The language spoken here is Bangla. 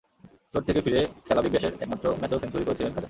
চোট থেকে ফিরে খেলা বিগ ব্যাশের একমাত্র ম্যাচেও সেঞ্চুরি করেছিলেন খাজা।